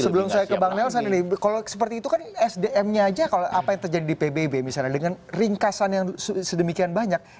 sebelum saya ke bang nelson ini kalau seperti itu kan sdm nya aja kalau apa yang terjadi di pbb misalnya dengan ringkasan yang sedemikian banyak